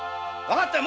わかった。